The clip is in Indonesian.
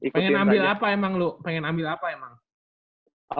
pengen ambil apa emang lo pengen ambil apa emang